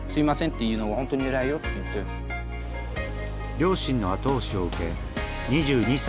両親の後押しを受け２２歳で来日。